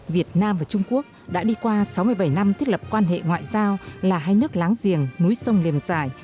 việt nam và trung quốc đã đi qua sáu mươi bảy năm thiết lập quan hệ ngoại giao là hai nước láng giềng núi sông liền giải